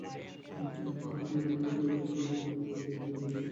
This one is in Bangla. সমগ্র আফ্রিকায় মহিলাদের ফুটবল বিভিন্ন চ্যালেঞ্জের সম্মুখিন।